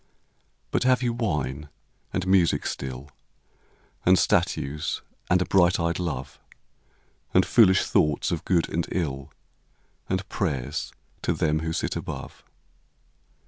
But have you wine and music still, And statues and a bright eyed love, And foolish thoughts of good and ill, And prayers to them who sit above